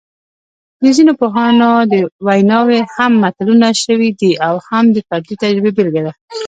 د ځینو پوهانو ویناوې هم متلونه شوي دي او د فردي تجربې بېلګه ده